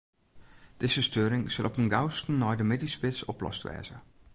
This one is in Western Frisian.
Dizze steuring sil op 'en gausten nei de middeisspits oplost wêze.